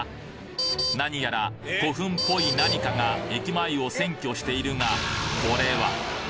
何やら古墳っぽい何かが駅前を占拠しているがこれは？